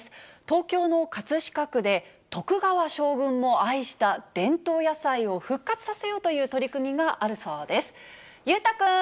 東京の葛飾区で、徳川将軍も愛した伝統野菜を復活させようという取り組みがあるそうです。